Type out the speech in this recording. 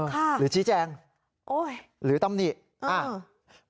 ค่ะค่ะหรือชี้แจงหรือตำหนิอ้าว